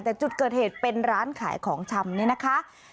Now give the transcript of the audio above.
แต่จุดเกิดเหตุเป็นร้านขายของชำนี่นะคะ